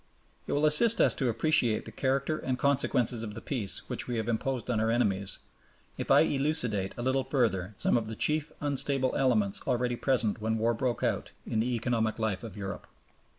It will assist us to appreciate the character and consequences of the Peace which we have imposed on our enemies, if I elucidate a little further some of the chief unstable elements already present when war broke out, in the economic life of Europe.